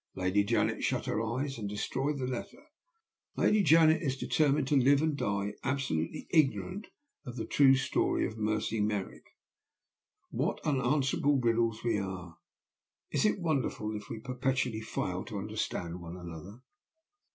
Lady Janet shut her eyes and destroyed the letter Lady Janet is determined to live and die absolutely ignorant of the true story of 'Mercy Merrick.' What unanswerable riddles we are! Is it wonderful if we perpetually fail to understand one another?"